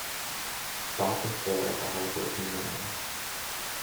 Stop and stare at the hard working man.